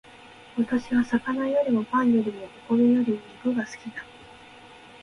私は魚よりもパンよりもお米よりも肉が好きだ